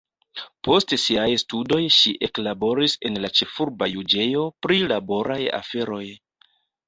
Post siaj studoj ŝi eklaboris en la ĉefurba juĝejo pri laboraj aferoj.